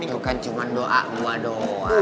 itu kan cuma doa gua doa